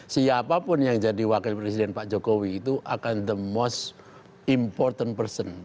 siapapun yang jadi wakil presiden pak jokowi itu akan the most important person